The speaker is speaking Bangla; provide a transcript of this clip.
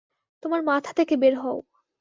তোমার মাথা থেকে বের হও!